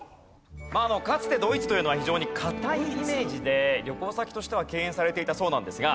かつてドイツというのは非常に堅いイメージで旅行先としては敬遠されていたそうなんですが